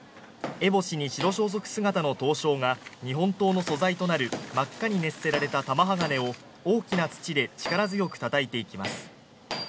烏帽子に白装束姿の刀匠が日本刀の素材となる真っ赤に熱せられた玉鋼を大きなつちで力強くたたいていきます。